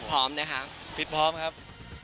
พร้อมนะครับฟิตพร้อมครับ